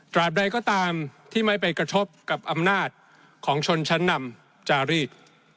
ใดก็ตามที่ไม่ไปกระทบกับอำนาจของชนชั้นนำจารีด